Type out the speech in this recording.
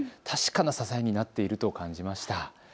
確かな支えになっていると感じました。